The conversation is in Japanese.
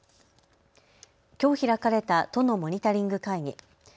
きょう開かれた都のモニタリング会議。